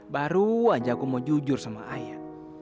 baru aja aku mau jujur sama ayah